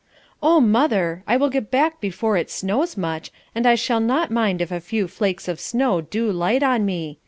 "Oh, mother, I will get back before it snows much, and I shall not mind if a few flakes of snow do light on me.